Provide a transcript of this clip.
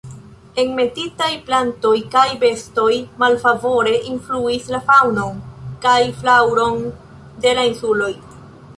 Enmetitaj plantoj kaj bestoj malfavore influis la faŭnon kaj flaŭron de la insuloj.